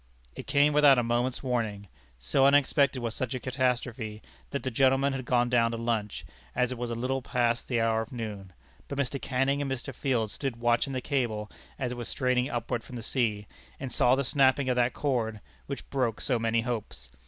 It came without a moment's warning. So unexpected was such a catastrophe, that the gentlemen had gone down to lunch, as it was a little past the hour of noon. But Mr. Canning and Mr. Field stood watching the cable as it was straining upward from the sea, and saw the snapping of that cord, which broke so many hopes.